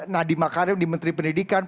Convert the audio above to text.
nadiem makarim di menteri pendidikan